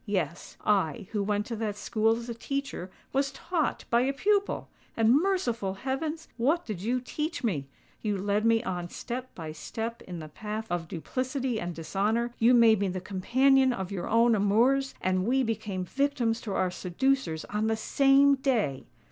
Yes—I, who went to that school as a teacher, was taught by a pupil! And merciful heavens! what did you teach me? You led me on step by step in the path of duplicity and dishonour: you made me the companion of your own amours; and we became victims to our seducers on the same day!"